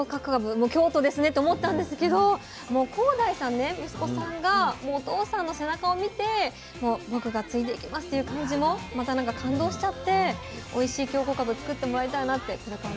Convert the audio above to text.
もう京都ですねって思ったんですけどもう耕大さんね息子さんがもうお父さんの背中を見て僕が継いでいきますっていう感じもまた感動しちゃっておいしい京こかぶ作ってもらいたいなってこれからも。